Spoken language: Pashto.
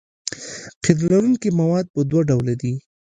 قیر لرونکي مواد په دوه ډوله دي